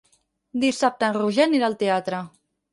Dissabte en Roger anirà al teatre.